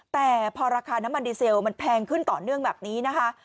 แต่พอราคาน้ำมันดีเซลมันแพงขึ้นต่อเนื่องแบบนี้นะคะ